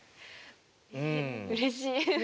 うれしい。